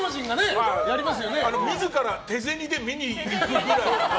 自ら手銭で見に行くぐらい。